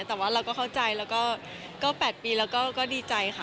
แต่ว่าเราก็เข้าใจแล้วก็๘ปีแล้วก็ดีใจค่ะ